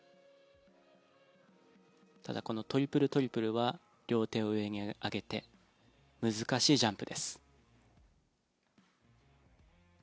ただ、このトリプル、トリプルは両手を上に上げて難しいジャンプです。